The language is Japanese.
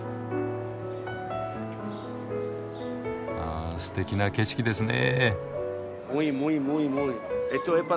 あすてきな景色ですね。